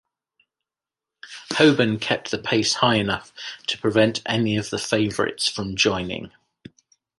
Hoban kept the pace high enough to prevent any of the favourites from joining.